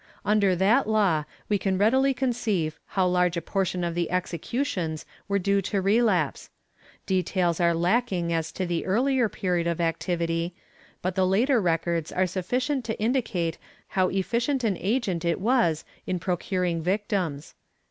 Under that law, we can readily conceive how large a portion of the executions were due to relapse. Details are lacking as to the earlier period of activity, but the later records are sufficient to indicate how efficient an agent it was in procuring victims.